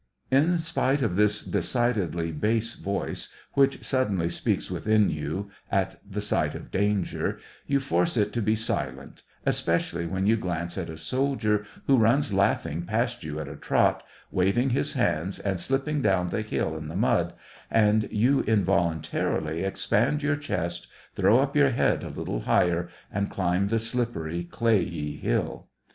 In spite of this decidedly base voice, which Suddenly speaks within you, at the sight of danger, you force it to be silent, especially when you glance at a soldier who runs laughing past you at a trot, waving his hands, and slipping down the hill in the mud, and you involuntarily expand your chest, throw up your head a little higher, and climb the slippery, clayey hill.